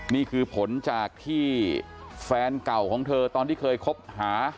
นี่คือผลจากที่แฟนเก่าของเธอตอนที่เคยคบหา